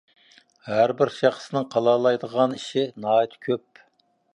ھەربىر شەخسنىڭ قىلالايدىغان ئىشى ناھايىتى كۆپ.